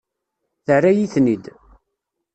Terra-yi-ten-id.